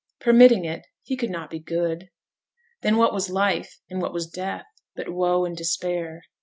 Permitting it, He could not be good. Then what was life, and what was death, but woe and despair?